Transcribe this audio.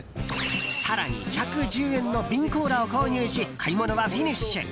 更に１１０円の瓶コーラを購入し買い物はフィニッシュ。